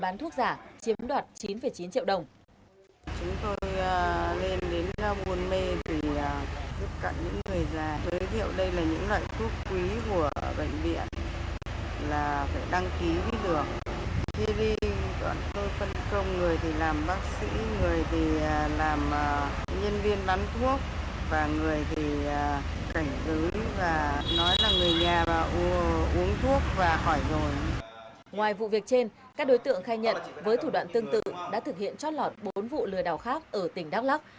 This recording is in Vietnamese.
ngoài vụ việc trên các đối tượng khai nhận với thủ đoạn tương tự đã thực hiện trót lọt bốn vụ lừa đảo khác ở tỉnh đắk lắc